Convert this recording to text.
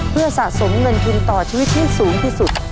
เพื่อสะสมเงินทุนต่อชีวิตที่สูงที่สุด